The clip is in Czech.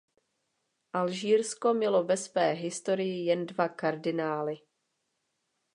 Alžírsko mělo ve své historii jen dva kardinály.